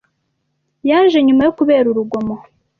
Yaje nyuma kubera urugomo.